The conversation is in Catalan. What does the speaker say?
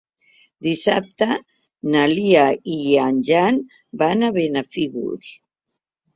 Dissabte na Lia i en Jan van a Benafigos.